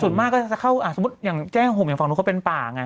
ส่วนมากก็จะเข้าสมมุติอย่างแจ้งห่มอย่างฝั่งนู้นเขาเป็นป่าไง